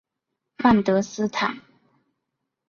万德斯坦。